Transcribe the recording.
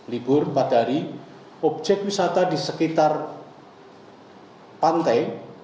libur empat hari objek wisata di sekitar pantai